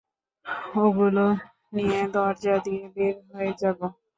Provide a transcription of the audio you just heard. ওগুলো নিয়ে দরজা দিয়ে বের হয়ে যাবো!